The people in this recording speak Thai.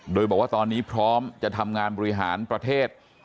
โดยบอกว่าตอนนี้พร้อมจะทำงานบริหารประเทศ